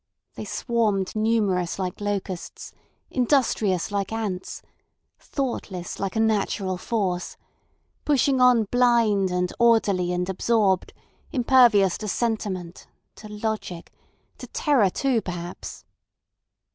They swarmed numerous like locusts, industrious like ants, thoughtless like a natural force, pushing on blind and orderly and absorbed, impervious to sentiment, to logic, to terror too perhaps.